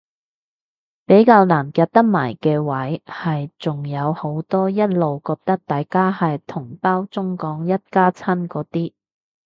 比較難夾得埋嘅位係仲有好多一路覺得大家係同胞中港一家親嗰啲